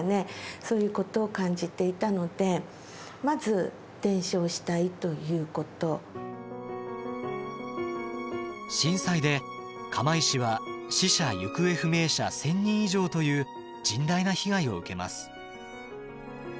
そういうことを感じていたのでまず震災で釜石は死者・行方不明者１，０００人以上という甚大な被害を受けます。